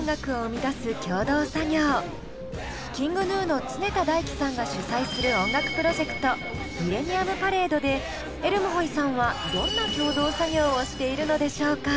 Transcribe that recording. ＫｉｎｇＧｎｕの常田大希さんが主催する音楽プロジェクトｍｉｌｌｅｎｎｉｕｍｐａｒａｄｅでｅｒｍｈｏｉさんはどんな共同作業をしているのでしょうか？